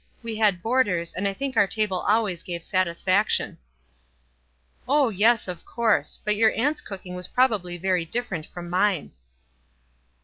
We had boarders, and I think our table always gave satisfaction." " Oh, yes, of course ; but your aunt's cooking was probably very different from mine."